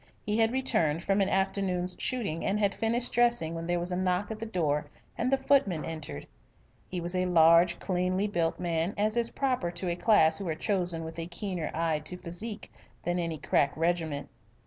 He had returned from an afternoon's shooting, and had finished dressing when there was a knock at the door and the footman entered. He was a large cleanly built man, as is proper to a class who are chosen with a keener eye to physique than any crack regiment.